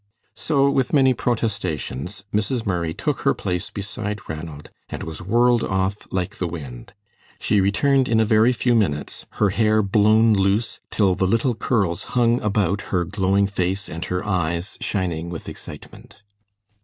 So, with many protestations, Mrs. Murray took her place beside Ranald and was whirled off like the wind. She returned in a very few minutes, her hair blown loose till the little curls hung about her glowing face and her eyes shining with excitement.